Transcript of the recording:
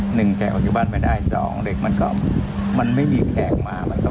หนึ่งแก่ออกจากบ้านไม่ได้สองเล็กมันก็มันไม่มีแก่ออกมา